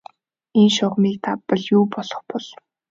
Энэ шугамыг давбал юу болох бол?